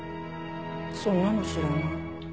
そんなの知らない。